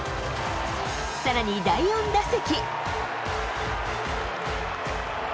さらに第４打席。